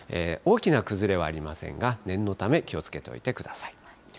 大きな崩れはありませんが、念のため、気をつけておいてください。